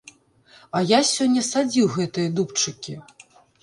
А я сёння садзіў гэтыя дубчыкі.